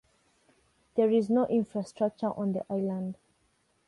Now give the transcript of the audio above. There is no infrastructure on the island.